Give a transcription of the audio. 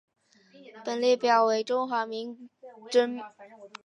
本列表为中华人民共和国驻文莱历任大使名录。